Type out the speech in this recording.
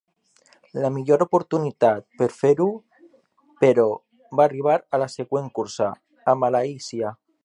La millor oportunitat per fer-ho, però, va arribar a la següent cursa, a Malàisia.